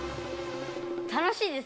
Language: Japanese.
楽しいです。